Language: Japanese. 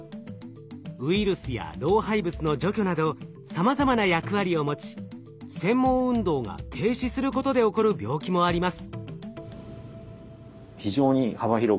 ウイルスや老廃物の除去などさまざまな役割を持ち繊毛運動が停止することで起こる病気もあります。